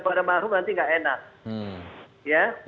kepada mahrum nanti enggak enak